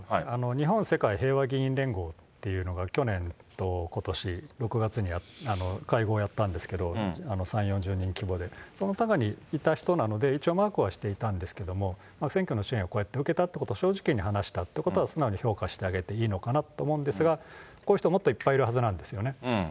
日本世界平和議員連合というのが、去年とことし６月に会合やったんですけど、３、４０人規模で、その中にいた人なので一応マークはしていたんですけれども、選挙の支援をこうやって受けたってことを正直に話したということは素直に評価ではあげていいのかなと思うんですが、こういう人もっといっぱいいるはずなんですよね。